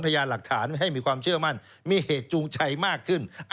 และย้อนทยาลักฐานให้มีความเชื่อมั่นมีเหตุจูงใช้มากขึ้น